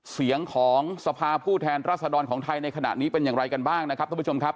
เสียงของสภาผู้แทนรัศดรของไทยในขณะนี้เป็นอย่างไรกันบ้างนะครับท่านผู้ชมครับ